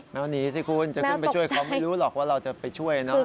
แมวหนีสิคุณจะขึ้นไปช่วยเขาไม่รู้หรอกว่าเราจะไปช่วยเนอะ